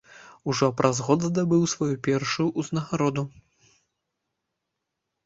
Ужо праз год здабыў сваю першую ўзнагароду.